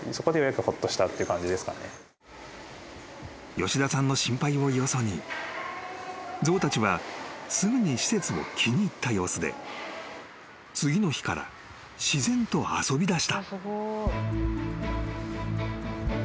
［吉田さんの心配をよそに象たちはすぐに施設を気に入った様子で次の日から自然と遊びだした］